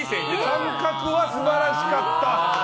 感覚は素晴らしかった！